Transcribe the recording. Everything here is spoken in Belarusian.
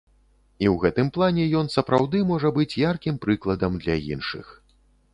І ў гэтым плане ён сапраўды можа быць яркім прыкладам для іншых.